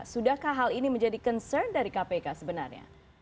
sudahkah hal ini menjadi concern dari kpk sebenarnya